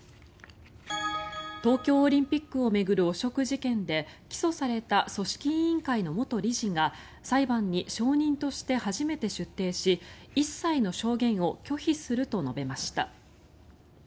東京オリンピックを巡る汚職事件で起訴された組織委員会の元理事が裁判に証人として初めて出廷し一切の証言を拒否すると述べました。